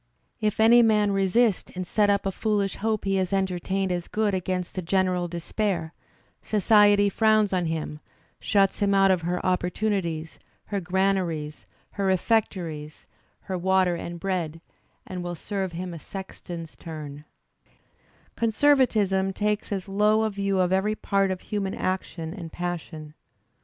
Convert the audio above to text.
If any man re sist and set up a foolish hope he has entertained as good against the general' despair. Society frowns on him, shuts him out of her opportunities, her granaries, her refectories, her Digitized by Google 50 THE SPIRIT OF AMERICAN LITERATURE water and bread, and will serve him a sexton's turn. Con servatism takes as low a view of every part of human action and passion.